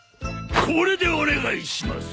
これでお願いします！